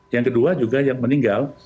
yang kedua juga yang meninggal